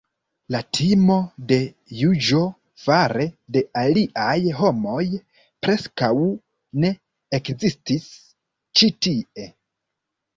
La timo de juĝo fare de aliaj homoj preskaŭ ne ekzistis ĉi tie.